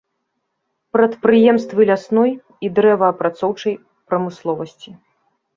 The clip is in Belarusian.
Прадпрыемствы лясной і дрэваапрацоўчай прамысловасці.